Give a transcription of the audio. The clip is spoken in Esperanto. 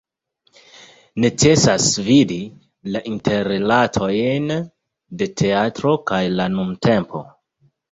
Necesas vidi la interrilatojn de teatro kaj la nuntempo.